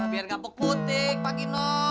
biar ga pek putih pak gino